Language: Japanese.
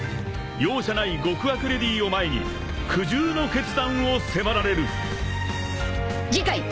［容赦ない極悪レディーを前に苦渋の決断を迫られる］